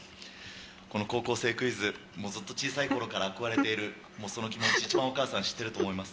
この『高校生クイズ』ずっと小さい頃から憧れているその気持ち一番お母さん知っていると思います